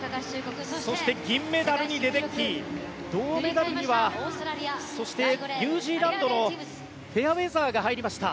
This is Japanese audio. そして銀メダルにレデッキー銅メダルにはそして、ニュージーランドのフェアウェザーが入りました。